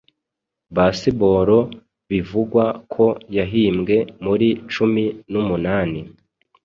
Baseball bivugwa ko yahimbwe muri cumi numunani.